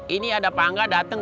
ini ada pangga dateng